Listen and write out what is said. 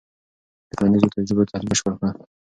د ټولنیزو تجربو تحلیل بشپړ کړه.